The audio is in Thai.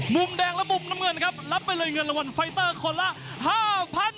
มุมแดงและมุมน้ำเงินครับรับไปเลยเงินรางวัลไฟเตอร์คนละ๕๐๐๐บาท